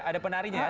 oh ada penarinya ya